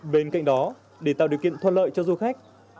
bên cạnh đó để tạo điều kiện thuận lợi cho du khách